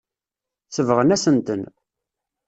Sebɣen-asen-ten.